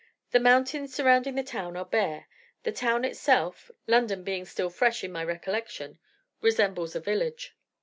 The mountains surrounding the town are bare, the town itself (London being still fresh in my recollection) resembles a village.